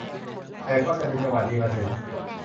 แต่ก็จะมีจังหวะดีมาถึง